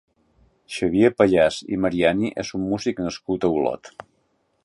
Xavier Pallàs i Mariani és un músic nascut a Olot.